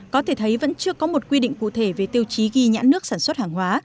có thể thấy vẫn chưa có một quy định cụ thể về tiêu chí ghi nhãn nước sản xuất hàng hóa